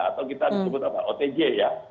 atau kita disebut otg ya